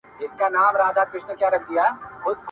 خدایه چیري په سفر یې له عالمه له امامه.